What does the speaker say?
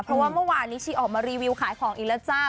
เพราะว่าเมื่อวานนี้ชิออกมารีวิวขายของอีกแล้วจ้า